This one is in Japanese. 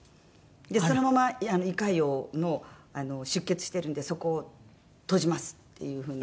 でそのまま胃潰瘍の出血してるんでそこを閉じますっていう風に。